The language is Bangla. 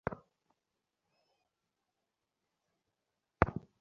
ভারতীয় কূটনীতিক দেবযানি খোবরাগাড়ের বিরুদ্ধে নতুন করে অভিযোগ দায়ের করেছেন মার্কিন কৌঁসুলিরা।